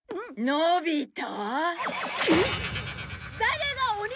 のび太！